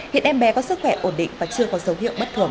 hiện em bé có sức khỏe ổn định và chưa có dấu hiệu bất thường